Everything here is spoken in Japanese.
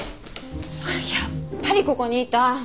やっぱりここにいた。